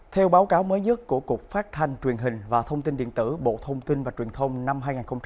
theo báo cáo mới nhất của cục phát thanh truyền hình và thông tin điện tử bộ thông tin và truyền thông năm hai nghìn hai mươi ba